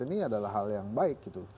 ini adalah hal yang baik gitu